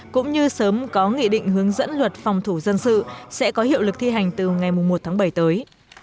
cũng như sớm có nghị định hướng dẫn luật phòng thủ dân sự sẽ có hiệu lực thi hành từ ngày một tháng bảy tới